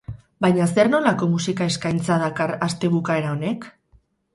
Baina zer nolako musika eskaintza dakar astebukaera honek?